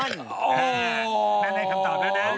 นั่นให้คำตอบแล้วนะ